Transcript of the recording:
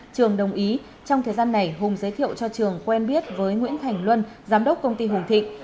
trường đồng ý trong thời gian này hùng giới thiệu cho trường quen biết với nguyễn thành luân giám đốc công ty hùng thịnh